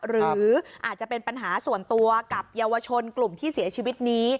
หรืออาจจะเป็นปัญหาส่วนตัวกับเยาวชนกลุ่มที่เสียชีวิตนี้